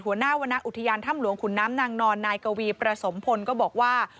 หัวหน้าวรรณอุทยานถ้ำหลวงขุนน้ำนางนอนนายกวีประสมพลก็บอกว่า